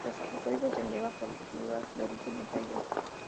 Mientras que el fuego se eleva porque su lugar de origen es aire.